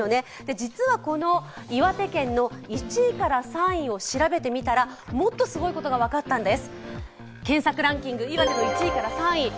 実はこの岩手県の１位から３位を調べてみたら、もっとすごいことが分かったんです。